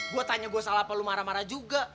gue tanya gue salah apa lo marah marah juga